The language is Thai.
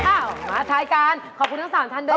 อ้าวมาท้ายการขอบคุณทั้งสามท่านด้วยค่ะ